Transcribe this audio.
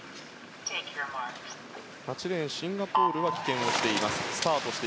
８レーン、シンガポールは棄権しています。